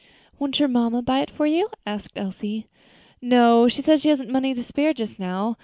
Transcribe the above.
"Won't your mamma buy it for you?" asked Elsie. "No, she says she hasn't the money to spare just now.